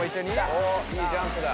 おっいいジャンプだ。